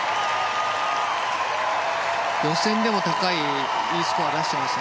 予選でも高いＥスコアを出しています。